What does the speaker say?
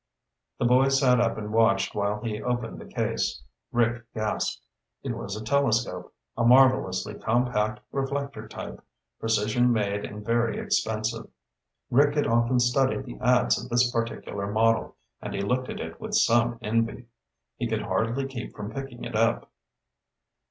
The boys sat up and watched while he opened the case. Rick gasped. It was a telescope, a marvelously compact reflector type, precision made and very expensive. Rick had often studied the ads of this particular model, and he looked at it with some envy. He could hardly keep from picking it up.